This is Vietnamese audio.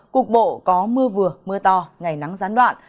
cục bộ có mưa vừa mưa to ngày nắng gián đoạn